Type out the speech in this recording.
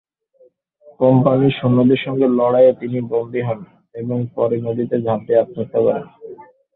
কোম্পানির সৈন্যদের সঙ্গে লড়াইয়ে তিনি বন্দী হন এবং পরে নদীতে ঝাঁপ দিয়ে আত্মহত্যা করেন।